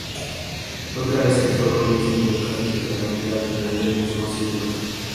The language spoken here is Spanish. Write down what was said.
Otra vez el fuego lo incendió casi totalmente al final del mismo siglo.